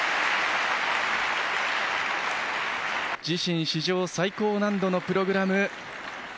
自身史上最高難度のプログラム。